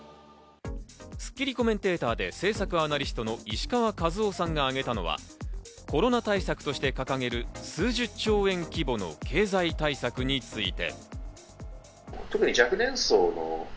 『スッキリ』コメンテーターで、政策アナリストの石川和男さんがあげたのはコロナ対策として掲げる数１０兆円規模の経済対策について。